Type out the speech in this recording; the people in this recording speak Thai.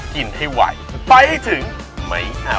กินให้ไหวไปถึงไม่เอาไม่